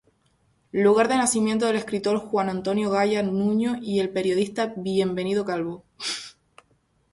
Lugar de nacimiento del escritor Juan Antonio Gaya Nuño y el periodista Bienvenido Calvo.